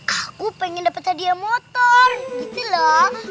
aku pengen dapat hadiah motor gitu loh